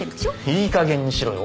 いいかげんにしろよ